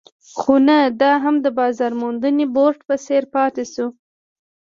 خو نه دا هم د بازار موندنې بورډ په څېر پاتې شو.